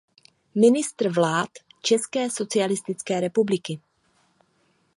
Ministr vlád České socialistické republiky.